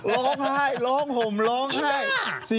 ร้องไห้ร้องห่มร้องไห้